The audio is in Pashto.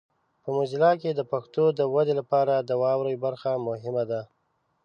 په موزیلا کې د پښتو د ودې لپاره واورئ برخه مهمه ده.